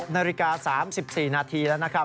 นาฬิกา๓๔นาทีแล้วนะครับ